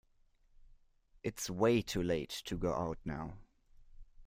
It's way too late to go out now.